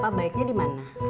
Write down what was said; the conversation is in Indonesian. menurut bapak baiknya di mana